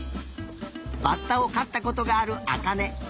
バッタをかったことがあるあかね。